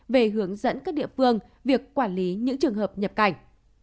về hướng dẫn các địa phương việc quản lý những trường hợp nhập cảnh